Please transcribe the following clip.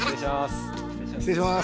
失礼します。